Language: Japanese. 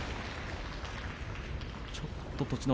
ちょっと栃ノ